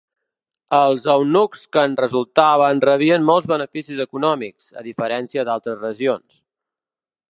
Els eunucs que en resultaven rebien molts beneficis econòmics, a diferència d'altres regions.